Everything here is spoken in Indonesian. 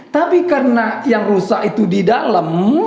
tapi karena yang rusak itu di dalam